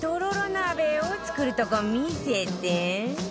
鍋を作るとこ見せて